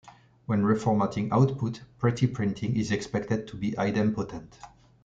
When reformatting output, pretty-printing is expected to be idempotent.